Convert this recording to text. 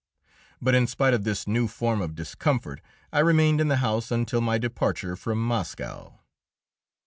But in spite of this new form of discomfort, I remained in the house until my departure from Moscow.